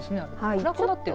暗くなってる。